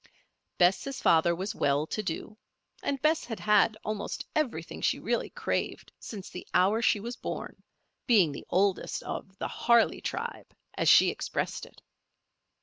Bess' father was well to do and Bess had had almost everything she really craved since the hour she was born, being the oldest of the "Harley tribe," as she expressed it.